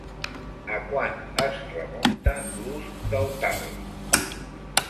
A quant es remunta l'ús del talc?